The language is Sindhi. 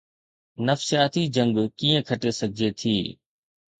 نفسياتي جنگ ڪيئن کٽي سگهجي ٿي؟